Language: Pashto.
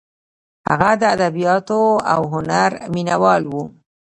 هغه د ادبیاتو او هنر مینه وال و.